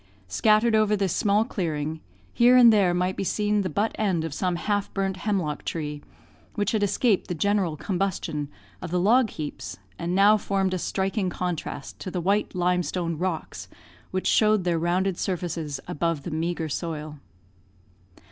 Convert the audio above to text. Scattered over this small clearing, here and there might be seen the but end of some half burnt hemlock tree, which had escaped the general combustion of the log heaps, and now formed a striking contrast to the white limestone rocks which showed their rounded surfaces above the meagre soil.